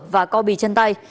và co bì chân tay